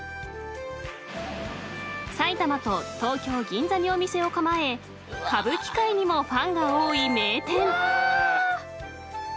［埼玉と東京銀座にお店を構え歌舞伎界にもファンが多い名店］